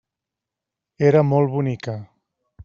Era molt bonica.